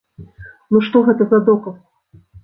Ну што гэта за доказ?